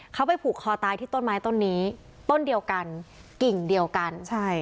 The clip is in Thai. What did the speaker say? เขาไปผูกคอตายที่ต้นไม้ต้นนี้ต้นเดียวกันกิ่งเดียวกันใช่